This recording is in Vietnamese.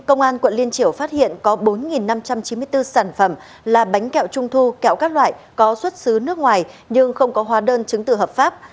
công an quận liên triểu phát hiện có bốn năm trăm chín mươi bốn sản phẩm là bánh kẹo trung thu kẹo các loại có xuất xứ nước ngoài nhưng không có hóa đơn chứng tử hợp pháp